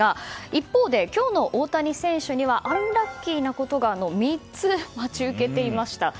一方で今日の大谷選手にはアンラッキーなことが３つ待ち受けていました。